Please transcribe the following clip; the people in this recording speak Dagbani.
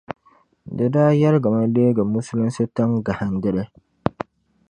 Di daa yɛligimi leegi musulinsi tiŋ gahindili .